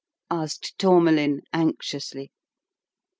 " asked Tourmalin, anxiously.